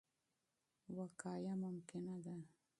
وقایه ممکنه ده.